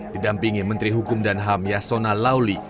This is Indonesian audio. didampingi menteri hukum dan ham yasona lauli